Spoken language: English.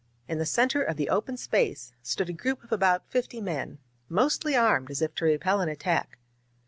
In the center of the open space stood a group of about fifty men, mostly armed, as if to repel an attack.